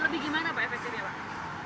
lebih gimana pak efektifnya mbak